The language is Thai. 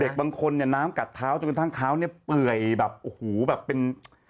บางคนเนี่ยน้ำกัดเท้าจนกระทั่งเท้าเนี่ยเปื่อยแบบโอ้โหแบบเป็น